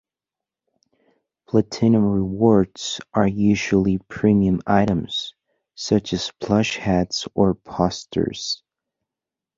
Platinum Rewards are usually premium items, such as plush hats or posters.